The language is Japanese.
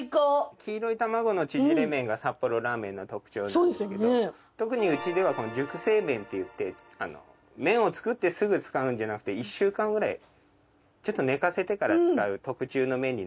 黄色い玉子の縮れ麺が札幌ラーメンの特徴なんですけど特にうちでは熟成麺っていって麺を作ってすぐ使うんじゃなくて１週間ぐらいちょっと寝かせてから使う特注の麺になってます。